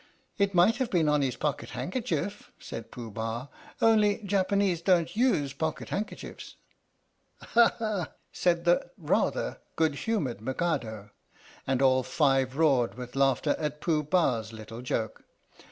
It might have been on his pocket handkerchief," said Pooh Bah, "only Japanese don't use pocket handkerchiefs." "Ha! ha!" said the (rather) good humoured Mikado. And all five roared with laughter at Pooh Bah's little joke.